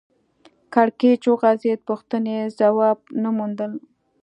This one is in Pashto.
کړکېچ وغځېد پوښتنې ځواب نه موندل